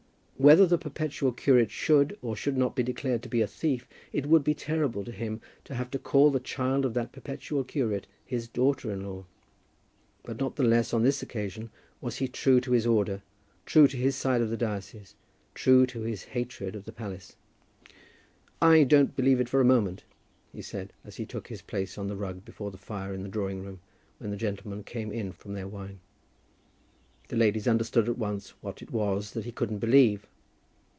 Whether the perpetual curate should or should not be declared to be a thief, it would be terrible to him to have to call the child of that perpetual curate his daughter in law. But not the less on this occasion was he true to his order, true to his side in the diocese, true to his hatred of the palace. "I don't believe it for a moment," he said, as he took his place on the rug before the fire in the drawing room when the gentlemen came in from their wine. The ladies understood at once what it was that he couldn't believe.